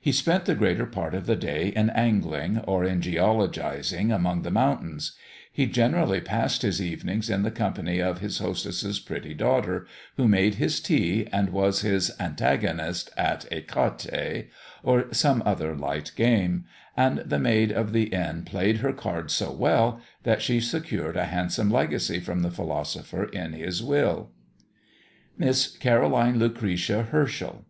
He spent the greater part of the day in angling, or in geologizing among the mountains; he generally passed his evenings in the company of his hostess' pretty daughter, who made his tea, and was his antagonist at écarté, or some other light game; and the maid of the inn played her cards so well, that she secured a handsome legacy from the philosopher in his will. MISS CAROLINE LUCRETIA HERSCHEL.